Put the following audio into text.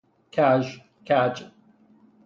کژ ـ کج